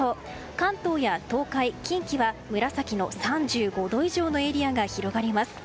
関東や東海、近畿は紫の３５度以上のエリアが広がります。